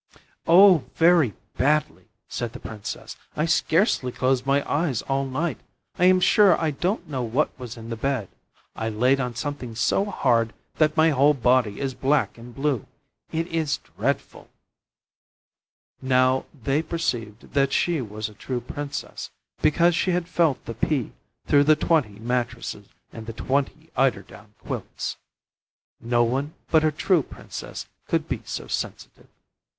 'Oh, very badly!' said the Princess. 'I scarcely closed my eyes all night! I am sure I don't know what was in the bed. I laid on something so hard that my whole body is black and blue. It is dreadful!' Now they perceived that she was a true Princess, because she had felt the pea through the twenty mattresses and the twenty eider down quilts. No one but a true Princess could be so sensitive.